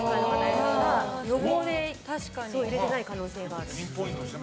予防で入れてない可能性がある。